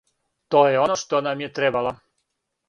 То је оно што нам је требало!